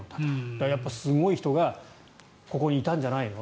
だから、やっぱりすごい人がここにいたんじゃないの。